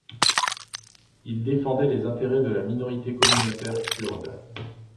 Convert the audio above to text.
Il défendait les intérêts de la minorité communautaire kurde.